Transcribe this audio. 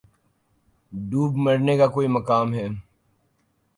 دوب مرنے کا کوئی مقام ہے